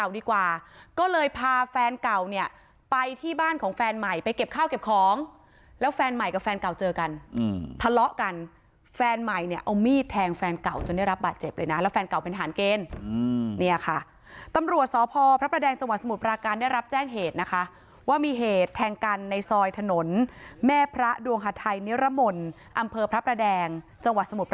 ดีกว่าก็เลยพาแฟนเก่าเนี่ยไปที่บ้านของแฟนใหม่ไปเก็บข้าวเก็บของแล้วแฟนใหม่กับแฟนเก่าเจอกันทะเลาะกันแฟนใหม่เนี่ยเอามีดแทงแฟนเก่าจนได้รับบาดเจ็บเลยนะแล้วแฟนเก่าเป็นทหารเกณฑ์เนี่ยค่ะตำรวจสพพระประแดงจังหวัดสมุทรปราการได้รับแจ้งเหตุนะคะว่ามีเหตุแทงกันในซอยถนนแม่พระดวงฮาไทยนิรมนต์อำเภอพระประแดงจังหวัดสมุท